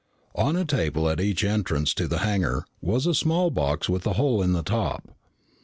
On a table at each entrance to the hangar was a small box with a hole in the top.